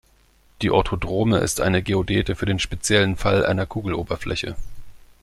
Die Orthodrome ist eine Geodäte für den speziellen Fall einer Kugeloberfläche.